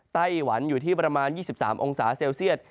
ไต้หวันอยู่ที่ประมาณ๒๓องศาเซลเซียต